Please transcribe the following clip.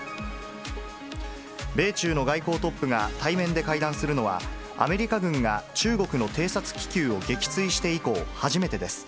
米中の外交トップが対面で会談するのは、アメリカ軍が中国の偵察気球を撃墜して以降、初めてです。